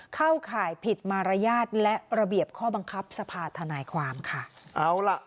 เข้าข่ายผิดมารยาทและระเบียบข้อบังคับสภาธนายความค่ะเอาล่ะ